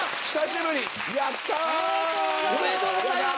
おめでとうございます！